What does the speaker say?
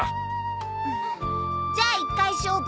じゃあ一回勝負。